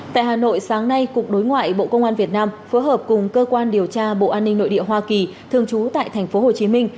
tại hà nội sáng nay cục đối ngoại bộ công an việt nam phối hợp cùng cơ quan điều tra bộ an ninh nội địa hoa kỳ thường trú tại tp hcm